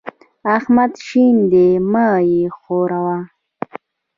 احمد شين دی؛ مه يې ښوروه.